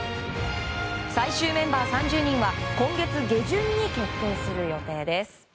最終メンバー３０人は今月下旬に決定する予定です。